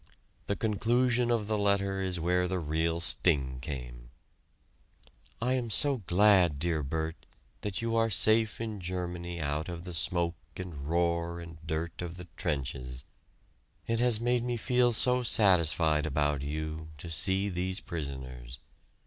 The conclusion of the letter is where the real sting came: "I am so glad, dear Bert, that you are safe in Germany out of the smoke and roar and dirt of the trenches. It has made me feel so satisfied about you, to see these prisoners.